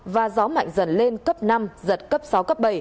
và gió mạnh dần lên cấp năm giật cấp sáu cấp bảy